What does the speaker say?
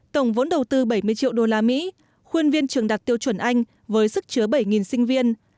tổng vốn đầu tư bảy mươi triệu đô la mỹ khuyên viên trường đạt tiêu chuẩn anh với sức chứa bảy sinh viên